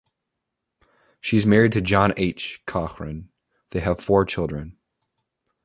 She is married to John H. Cochrane; they have four children.